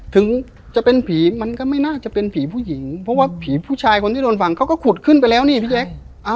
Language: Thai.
ถึงจะเป็นผีมันก็ไม่น่าจะเป็นผีผู้หญิงเพราะว่าผีผู้ชายคนที่โดนฟังเขาก็ขุดขึ้นไปแล้วนี่พี่แจ๊ค